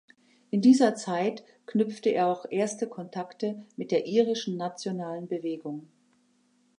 In dieser Zeit knüpfte er auch erste Kontakte mit der irischen nationalen Bewegung.